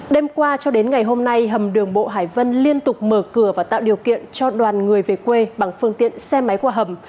đêm qua cho đến ngày hôm nay hầm đường bộ hải vân liên tục mở cửa và tạo điều kiện cho đoàn người về quê bằng phương tiện xe máy qua hầm